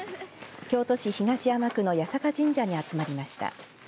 京都市東山区の八坂神社に集まりました。